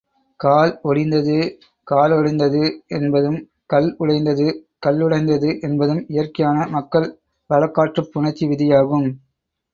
கால் ஒடிந்தது காலொடிந்தது என்பதும் கல் உடைந்தது கல்லுடைந்தது என்பதும் இயற்கையான மக்கள் வழக்காற்றுப் புணர்ச்சி விதியாகும்.